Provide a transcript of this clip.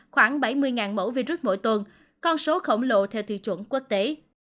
khoảng bảy mươi mẫu virus mỗi tuần con số khổng lồ theo thị chuẩn quốc tế